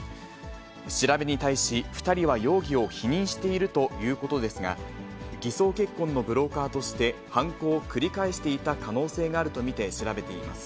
調べに対し、２人は容疑を否認しているということですが、偽装結婚のブローカーとして犯行を繰り返していた可能性があると見て調べています。